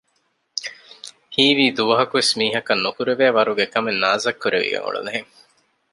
ހީވީ ދުވަހަކުވެސް މީހަކަށް ނުކުރެވޭވަރުގެ ކަމެއް ނާޒްއަށް ކުރެވިގެން އުޅުނުހެން